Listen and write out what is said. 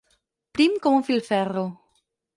Prim com un filferro.